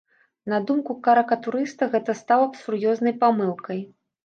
На думку карыкатурыста, гэта стала б сур'ёзнай памылкай.